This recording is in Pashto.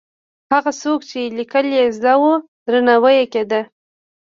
هغه څوک چې لیکل یې زده وو، درناوی یې کېده.